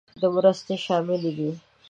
مرستې شاملې دي.